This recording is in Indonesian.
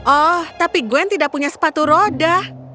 oh tapi gwen tidak punya sepatu roda